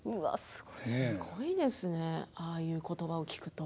すごいですねああいう言葉を聞くと。